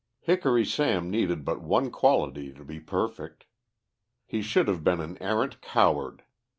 Hickory Sam needed but one quality to be perfect. He should have been an arrant coward.